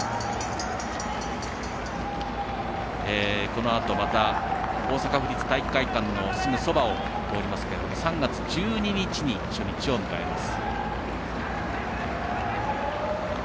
このあとまた大阪府立体育会館のすぐそばを通りますけど３月１２日に初日を迎えます。